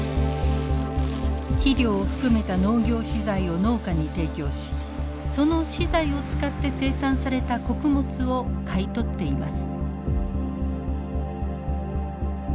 肥料を含めた農業資材を農家に提供しその資材を使って生産された穀物を買い取っています。